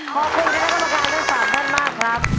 ขอบคุณให้คำล่ำคร้อมได้๓หนั้นมากครับ